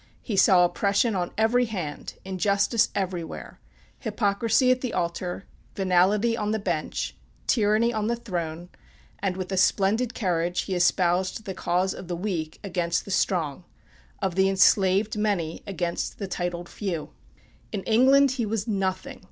He saw oppression on every hand; injustice everywhere hypocrisy at the altar, venality on the bench, tyranny on the throne; and with a splendid courage he espoused the cause of the weak against the strong of the enslaved many against the titled few. In England he was nothing.